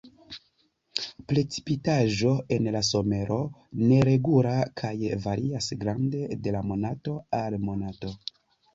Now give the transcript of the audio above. Precipitaĵo en la somero neregula kaj varias grande de monato al monato.